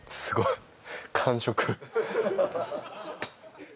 すごーい